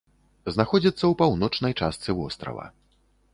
Знаходзіцца ў паўночнай частцы вострава.